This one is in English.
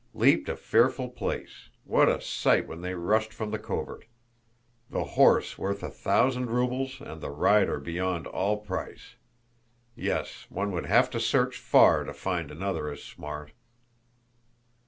Leaped a fearful place; what a sight when they rushed from the covert... the horse worth a thousand rubles and the rider beyond all price! Yes, one would have to search far to find another as smart."